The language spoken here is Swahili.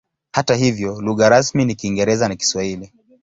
Hata hivyo lugha rasmi ni Kiingereza na Kiswahili.